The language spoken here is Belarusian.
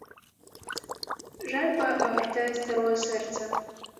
Жальба агартае старое сэрца.